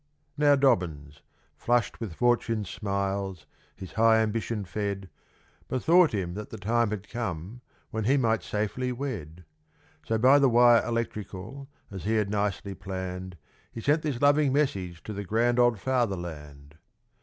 Now Dobbins, flushed with Fortune's smiles, his high ambition fed, Bethought him that the time had come when he might safely wed. So by the wire electrical, as he had nicely planned, He sent this loving message to the grand old Fatherland.